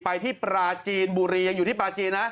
ไปที่ปราจีนบุรียังอยู่ที่ปลาจีนนะ